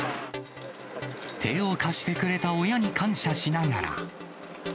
手を貸してくれた親に感謝しながら。